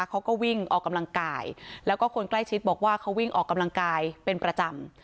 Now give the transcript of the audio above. เขาก็วิ่งออกกำลังกายแล้วก็คนใกล้ชิดบอกว่าเขาวิ่งออกกำลังกายเป็นประจำ